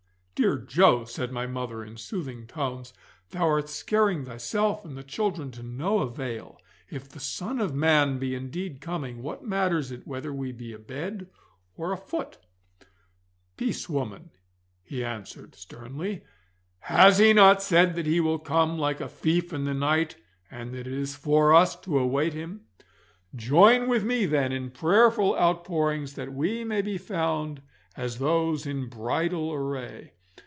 'Dear Joe,' said my mother, in soothing tones, 'thou art scaring thyself and the children to no avail. If the Son of Man be indeed coming, what matters it whether we be abed or afoot?' 'Peace, woman,' he answered sternly; 'has He not said that He will come like a thief in the night, and that it is for us to await Him? Join with me, then, in prayerful outpourings that we may be found as those in bridal array.